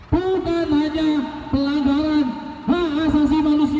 bukan hanya pelanggaran hak asasi manusia